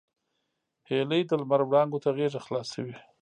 هیلۍ د لمر وړانګو ته غېږه خلاصوي